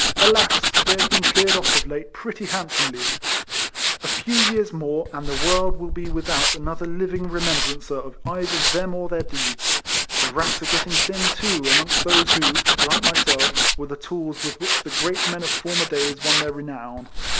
Alas! they have been cleared off of late ])retty handsomely ! A few years more, and the world will be without another living remembrancer of either them or their deeds. The ranks are getting thin, too, amongst those who, like myself, were the tools with which the great men of former days won their renown.